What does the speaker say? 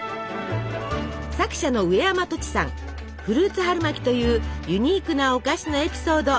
作者のフルーツ春巻きというユニークなお菓子のエピソード